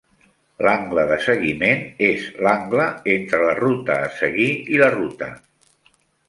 L'angle de seguiment és l'angle entre la "ruta a seguir" i la "ruta".